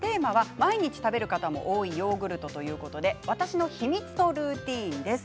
毎日食べる方が多いヨーグルトということが私の秘密のルーティンです。